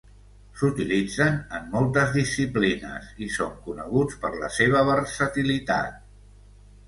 S'utilitzen en moltes disciplines i són coneguts per la seva versatilitat.